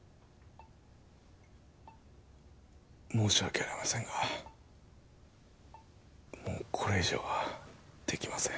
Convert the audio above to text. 申し訳ありませんがもうこれ以上はできません。